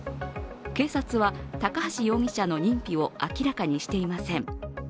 警察は高橋容疑者の認否を明らかにしていません。